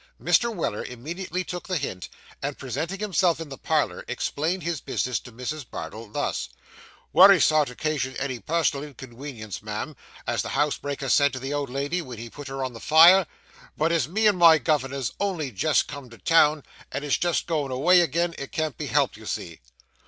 Mr. Weller immediately took the hint; and presenting himself in the parlour, explained his business to Mrs. Bardell thus 'Wery sorry to 'casion any personal inconwenience, ma'am, as the housebreaker said to the old lady when he put her on the fire; but as me and my governor 's only jest come to town, and is jest going away agin, it can't be helped, you see.